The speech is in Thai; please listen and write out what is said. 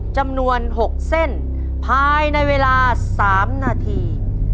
จำนวน๖เส้นภายในเวลา๓นาที